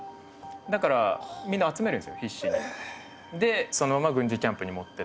だからみんな集めるんですよ